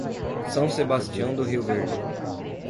São Sebastião do Rio Verde